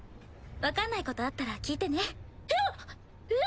分かんないことあったら聞いてね。